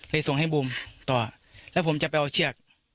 ส่งให้บูมต่อแล้วผมจะไปเอาเชือก